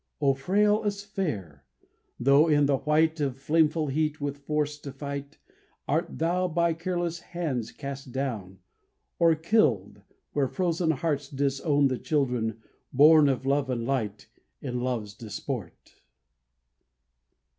O frail as fair! Though in the white Of flameful heat with force to fight, Art thou by careless hands cast down Or killed—when frozen hearts disown The children born of love of light In love's disport.